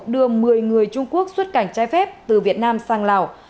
đưa một mươi người trung quốc xuất cảnh trái phép từ việt nam sang lào